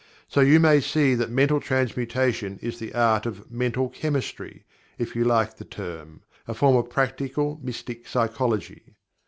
So you may see that Mental Transmutation is the "Art of Mental Chemistry," if you like the term a form of practical Mystic Psychology.